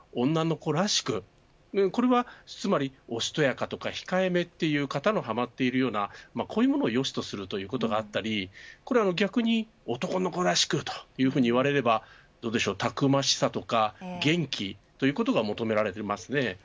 ともすると女の子は女の子らしくこれはおしとやかとか控えめという方がはまっているようなこういうものを良しとすることがあったり逆に男の子らしくというふうにいわれればたくましさや元気ということが求められています。